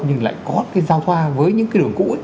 nhưng lại có cái giao thoa với những cái đường cũ